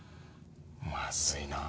まずいなあ。